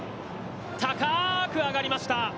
高く上がりました。